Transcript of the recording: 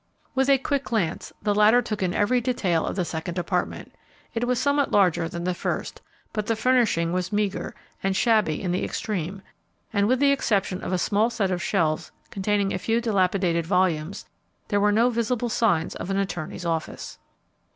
With a quick glance the latter took in every detail of the second apartment. It was somewhat larger than the first, but the furnishing was meagre and shabby in the extreme, and, with the exception of a small set of shelves containing a few dilapidated volumes, there were no visible signs of an attorney's office.